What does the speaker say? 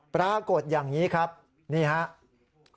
ปรากฏอย่างนี้ครับนี่ครับ